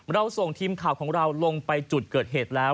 เราส่งทีมข่าวของเราลงไปจุดเกิดเหตุแล้ว